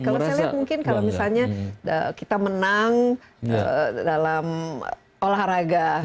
kalau saya lihat mungkin kalau misalnya kita menang dalam olahraga